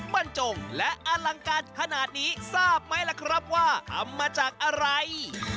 บรรจงและอลังการขนาดนี้ทราบไหมล่ะครับว่าทำมาจากอะไร